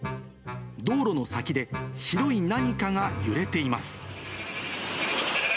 道路の先で、白い何かが揺れています。